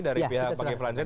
dari pihak pak yudhri